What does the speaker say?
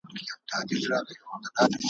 سیوری د چایمه؟ `